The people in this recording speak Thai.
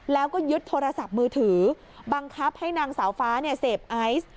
แล้วก็ยึดโทรศัพท์มือถือบังคับให้นางสาวฟ้าเสพไอซ์